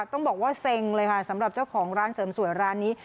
ต้องบอกว่าเซ็งเลยค่ะสำหรับเจ้าของร้านเสริมสวยร้านนี้